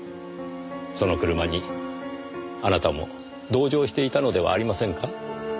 その車にあなたも同乗していたのではありませんか？